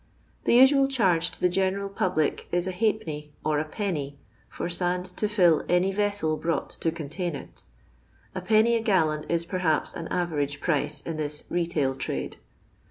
The usual charge to the general public is a halfpenny or a penny for sand to fill any vessel brought to contidn it. A penny a gallon is perhaps an average price in this retail trade.